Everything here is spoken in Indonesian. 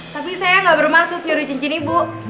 tapi saya gak bermaksud nyuruh cincin ibu